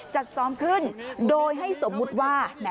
จัดซ้อมขึ้นโดยให้สมมุติว่า